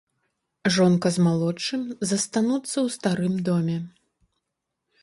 Жонка з малодшым застануцца ў старым доме.